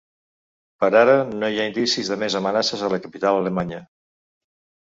Per ara, no hi ha indicis de més amenaces a la capital alemanya.